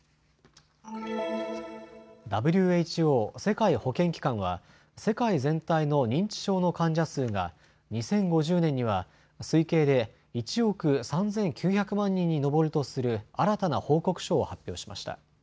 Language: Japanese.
ＷＨＯ・世界保健機関は世界全体の認知症の患者数が２０５０年には推計で１億３９００万人に上るとする新たな報告書を発表しました。